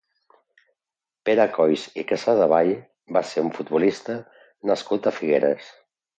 Pere Colls i Casadevall va ser un futbolista nascut a Figueres.